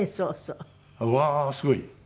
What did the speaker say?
うわーすごい！